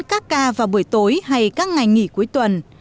các ca vào buổi tối hay các ngày nghỉ cuối tuần